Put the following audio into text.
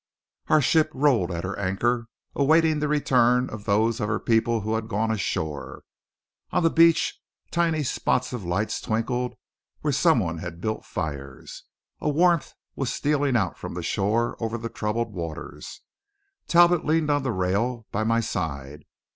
Our ship rolled at her anchor, awaiting the return of those of her people who had gone ashore. On the beach tiny spots of lights twinkled where some one had built fires. A warmth was stealing out from the shore over the troubled waters. Talbot leaned on the rail by my side.